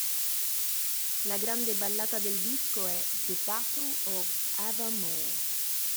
La grande ballata del disco è "The Battle of Evermore".